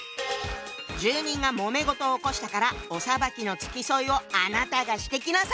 住人がもめ事を起こしたからお裁きの付き添いをあなたがしてきなさい！